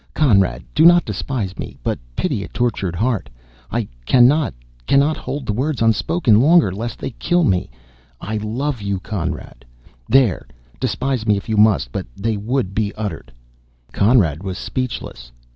Conrad, do not despise me, but pity a tortured heart? I cannot cannot hold the words unspoken longer, lest they kill me I LOVE you, CONRAD! There, despise me if you must, but they would be uttered!" Conrad was speechless.